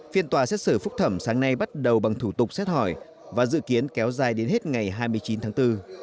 phiên tòa xét xử phúc thẩm sáng nay bắt đầu bằng thủ tục xét hỏi và dự kiến kéo dài đến hết ngày hai mươi chín tháng bốn